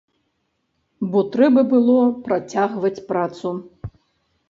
Бо трэба было працягваць працу.